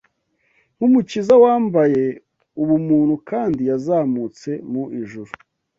Nk’Umukiza wambaye ubumuntu kandi yazamutse mu ijuru